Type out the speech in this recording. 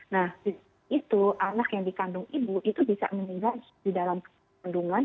nah itu anak yang dikandung ibu itu bisa meninggal di dalam pendungan